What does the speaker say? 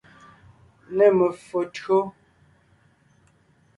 Nê me[o tÿǒ.